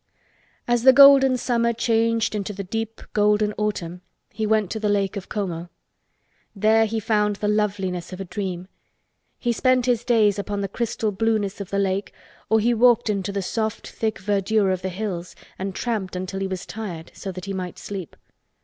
As the golden summer changed into the deep golden autumn he went to the Lake of Como. There he found the loveliness of a dream. He spent his days upon the crystal blueness of the lake or he walked back into the soft thick verdure of the hills and tramped until he was tired so that he might sleep.